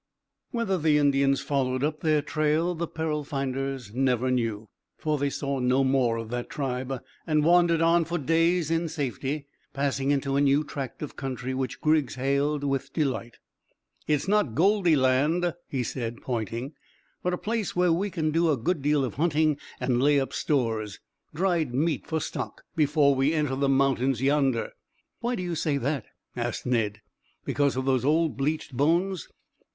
Whether the Indians followed up their trail the peril finders never knew, for they saw no more of that tribe, and wandered on for days in safety, passing into a new tract of country which Griggs hailed with delight. "It's not goldy land," he said, pointing, "but a place where we can do a deal of hunting and lay up stores dried meat for stock before we enter the mountains yonder." "Why do you say that?" asked Ned. "Because of those old bleached bones?"